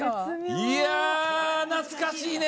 いやあ懐かしいね！